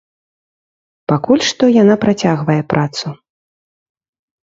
Пакуль што яна працягвае працу.